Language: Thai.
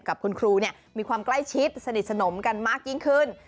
กับคุณครูมีความใกล้ชิดสนิทสนมกันมากยิ่งขึ้น